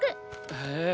へえ。